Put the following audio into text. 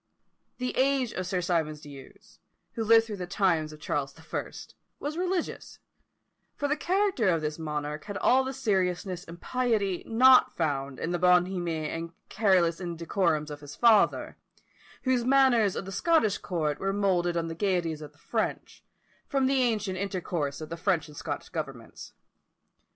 The age of Sir Symonds D'Ewes, who lived through the times of Charles the First, was religious; for the character of this monarch had all the seriousness and piety not found in the bonhomie and careless indecorums of his father, whose manners of the Scottish court were moulded on the gaieties of the French, from the ancient intercourse of the French and Scottish governments.